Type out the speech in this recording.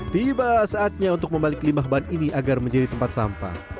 tiba saatnya untuk membalik limbah ban ini agar menjadi tempat sampah